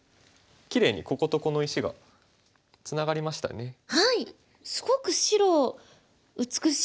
きれいにこことこの石がツナがりましたね。